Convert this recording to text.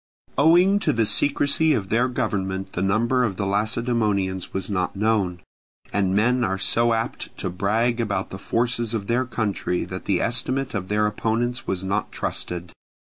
Owing to the secrecy of their government the number of the Lacedaemonians was not known, and men are so apt to brag about the forces of their country that the estimate of their opponents was not trusted.